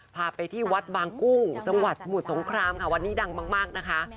พาไปที่วัดบางกุ้งจังหวัดสมุทรสงครามค่ะวันนี้ดังมากนะคะ